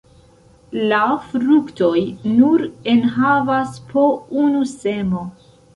La fruktoj nur enhavas po unu semo.